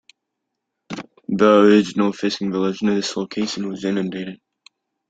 The original fishing village near this location was inundated.